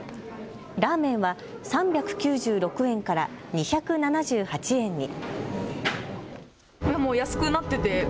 ラーメンは３９６円から２７８円に。